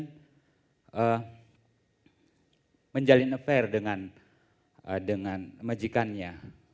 ibu saya kemudian menjalin affair dengan majikannya